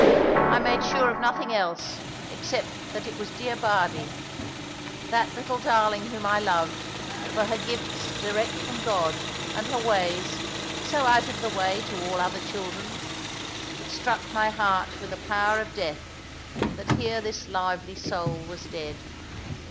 I made sure of nothing else, except that it was dear Bardie. That little darling whom I loved, for her gifts direct from God, and her ways, so out of the way to all other children it struck my heart with a power of death, that here this lively soul was dead.